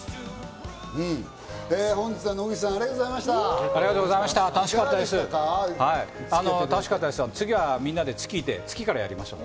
本日は野口さん、ありがとうございました。